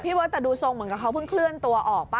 เบิร์ตแต่ดูทรงเหมือนกับเขาเพิ่งเคลื่อนตัวออกป่